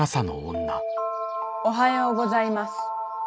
おはようございます。